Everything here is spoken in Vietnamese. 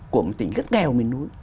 của một tỉnh rất nghèo mình nuôi